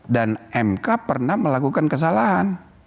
dan mk pernah melakukan kesalahan